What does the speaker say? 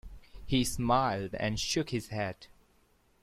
He smiled and shook his head.